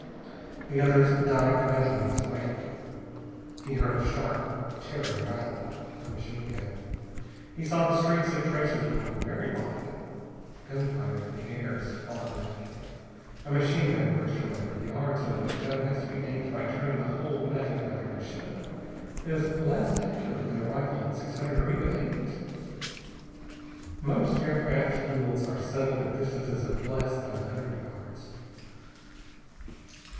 The others dived madly in his wake. He heard a sharp, tearing rattle. A machine gun. He saw the streaks of tracers going very wide. Gunfire in the air is far from accurate. A machine gun burst from a hundred yards, when the gun has to be aimed by turning the whole madly vibrating ship, is less accurate than a rifle at six hundred, or even eight. Most aircraft duels are settled at distances of less than a hundred yards.